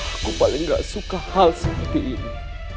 aku paling gak suka hal seperti ini